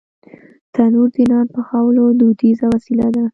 تنور د نان پخولو دودیزه وسیله ده